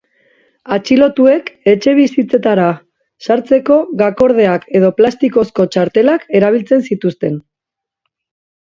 Atxilotuek etxebizitzetara sartzeko gakordeak edo plastikozko txartelak erabiltzen zituzten.